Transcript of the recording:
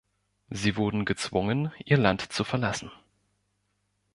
Sie wurden gezwungen, ihr Land zu verlassen.